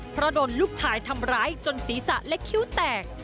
เพราะโดนลูกชายทำร้ายจนศีรษะและคิ้วแตก